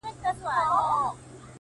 لوړ دی ورگورمه; تر ټولو غرو پامير ښه دی;